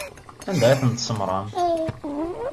Anda ay tent-tsemmṛem?